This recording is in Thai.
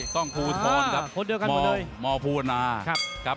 กล้องพูทรณ์ครับมภูวนา